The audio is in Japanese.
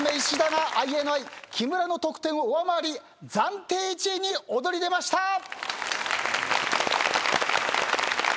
石田がＩＮＩ木村の得点を上回り暫定１位に躍り出ました！